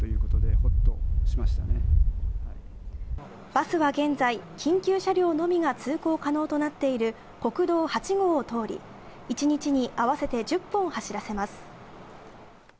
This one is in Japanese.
バスは現在、緊急車両のみが通行可能となっている国道８号を通り、１日に合わせて１０本走らせます。